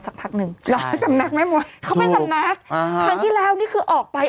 สักทักนึงรอสำนักแม่มสเค้าไปสำนักทั้งที่แล้วนี่คือออกไป